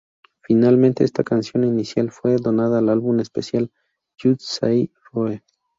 Finalmente esta canción inicial fue donada al álbum especial "Just Say Roe".